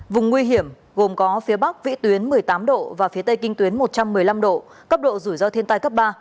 vùng nguy hiểm gồm có phía bắc vĩ tuyến một mươi tám độ và phía tây kinh tuyến một trăm một mươi năm độ cấp độ rủi ro thiên tai cấp ba